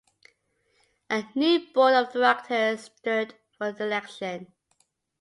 A new board of directors stood for election.